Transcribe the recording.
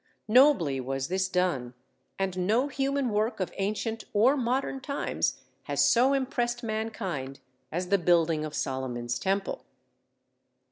Nobly was this done, and no human work of ancient or modern times has so impressed mankind as the building of Solomon's Temple.